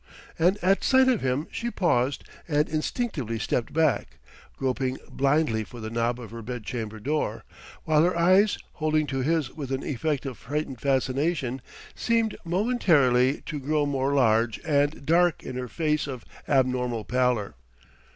And at sight of him she paused and instinctively stepped back, groping blindly for the knob of her bed chamber door; while her eyes, holding to his with an effect of frightened fascination, seemed momentarily to grow more large and dark in her face of abnormal pallor.